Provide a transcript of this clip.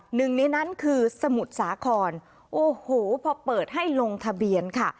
หนึ่งในนั้นคือสมุทรสาครโอ้โหพอเปิดให้ลงทะเบียนค่ะ